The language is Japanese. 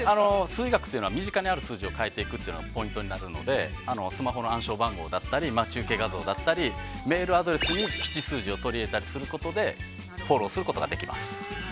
◆数意学っていうのは身近にある数字を変えていくっていうのがポイントになるのでスマホの暗証番号だったり待ち受け画像だったりメールアドレスに吉数字を取り入れたりすることでフォローすることができます。